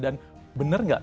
dan benar nggak